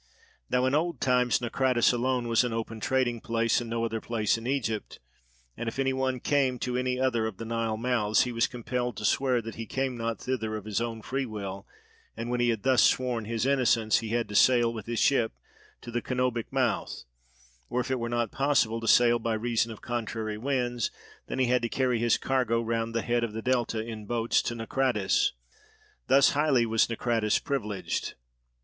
Now in old times Naucratis alone was an open trading place, and no other place in Egypt: and if any one came to any other of the Nile mouths, he was compelled to swear that he came not thither of his own free will, and when he had thus sworn his innocence he had to sail with his ship to the Canobic mouth, or if it were not possible to sail by reason of contrary winds, then he had to carry his cargo round the head of the Delta in boats to Naucratis: thus highly was Naucratis privileged.